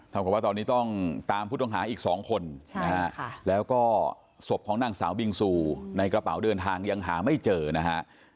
กับว่าตอนนี้ต้องตามผู้ต้องหาอีก๒คนนะฮะแล้วก็ศพของนางสาวบิงซูในกระเป๋าเดินทางยังหาไม่เจอนะฮะ